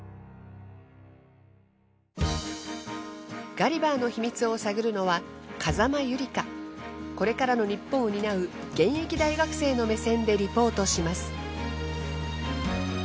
ガリバーの秘密を探るのはこれからの日本を担う現役大学生の目線でリポートします。